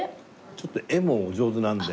ちょっと絵もお上手なんで。